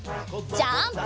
ジャンプ！